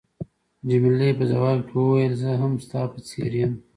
جميله په ځواب کې وویل، زه هم ستا په څېر یم.